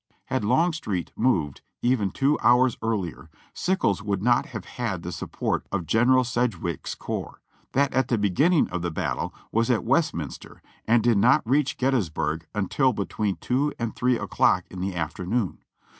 Had Longstreet moved, even two hours earlier. Sickles would not have had the support of General Sedgwick's corps, that at the beginning of the battle was at Westminster and did not reach Gettysburg until between 2 and 3 o'clock in the afternoon.